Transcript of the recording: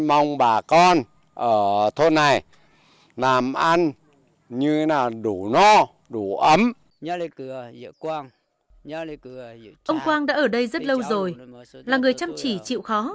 ông quang đã ở đây rất lâu rồi là người chăm chỉ chịu khó